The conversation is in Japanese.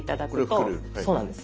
そうなんです。